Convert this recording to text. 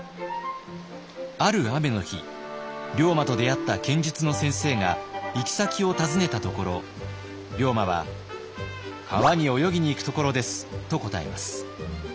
ある雨の日龍馬と出会った剣術の先生が行き先を尋ねたところ龍馬は「川に泳ぎに行くところです」と答えます。